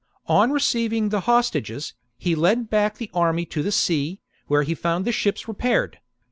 On receiving the hostages, he led back the army to the sea, where he found the ships repaired.